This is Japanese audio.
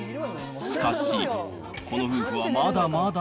しかし、この夫婦はまだまだ。